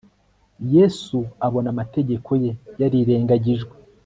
Yesu abona amategeko ye yarirengagijwe